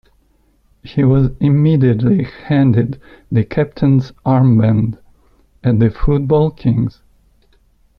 He was immediately handed the captain's armband at the Football Kingz.